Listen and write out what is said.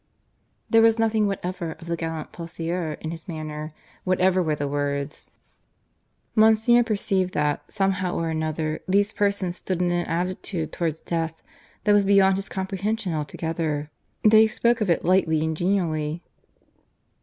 There was nothing whatever of the gallant poseur in his manner, whatever were the words. Monsignor perceived that somehow or another these persons stood in an attitude towards death that was beyond his comprehension altogether. They spoke of it lightly and genially.